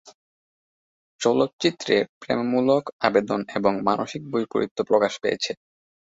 চলচ্চিত্রে প্রেমমূলক আবেদন এবং মানসিক বৈপরীত্য প্রকাশ পেয়েছে।